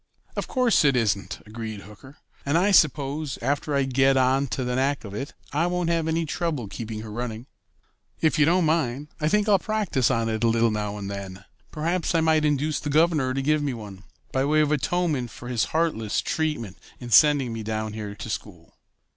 "Of course, it isn't," agreed Hooker, "and I suppose after I get onto the knack of it I won't have any trouble keeping her running." "If you don't mind, I think I'll practice on it a little now and then. Perhaps I might induce the governor to give me one, by way of atonement for his heartless treatment in sending me down here to school."